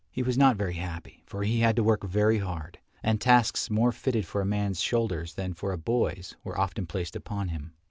He was not very happy, for he had to work very hard, and tasks more fitted for a man's shoulders than for a boy's were often placed upon him.